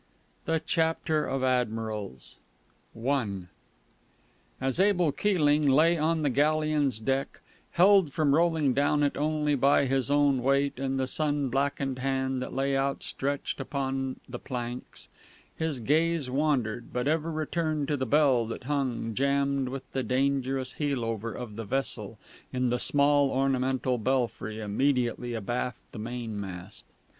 _" THE CHAPTER OF ADMIRALS I As Abel Keeling lay on the galleon's deck, held from rolling down it only by his own weight and the sun blackened hand that lay outstretched upon the planks, his gaze wandered, but ever returned to the bell that hung, jammed with the dangerous heel over of the vessel, in the small ornamental belfry immediately abaft the mainmast.